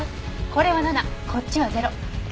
これは７こっちは０。